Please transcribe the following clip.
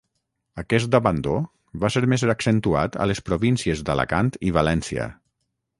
Aquest abandó va ser més accentuat a les províncies d'Alacant i València.